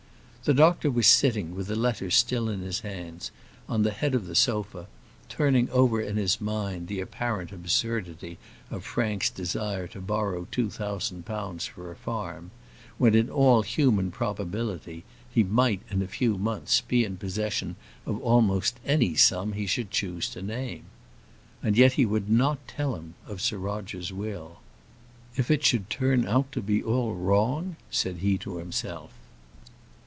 The doctor was sitting, with the letter still in his hands, on the head of the sofa, turning over in his mind the apparent absurdity of Frank's desire to borrow two thousand pounds for a farm, when, in all human probability, he might in a few months be in possession of almost any sum he should choose to name. And yet he would not tell him of Sir Roger's will. "If it should turn out to be all wrong?" said he to himself.